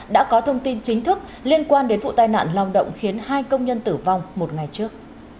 đã có thông tin chính thức liên quan đến vụ tai nạn lao động khiến hai công nhân tử vong một ngày trước